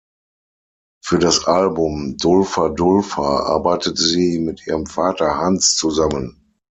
Für das Album "Dulfer Dulfer" arbeitete sie mit ihrem Vater Hans zusammen.